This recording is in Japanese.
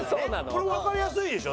これわかりやすいでしょ。